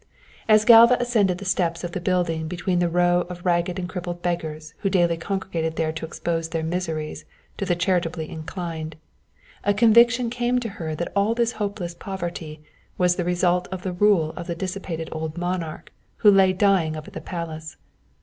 As Galva ascended the steps of the building between the rows of ragged and crippled beggars who daily congregated there to expose their miseries to the charitably inclined, a conviction came to her that all this hopeless poverty was the real result of the rule of the dissipated old monarch who lay dying up at the Palace.